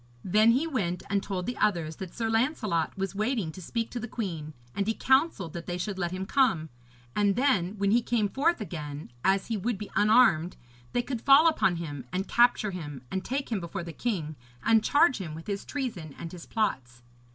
Then he went and told the others that Sir Lancelot was waiting to speak to the queen, and he counselled that they should let him come, and then when he came forth again, as he would be unarmed, they could fall upon him and capture him, and take him before the king and charge him with his treason and his plots.